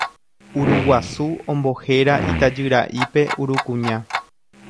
Uruguasu ombohéra itajyra'ípe Urukuña.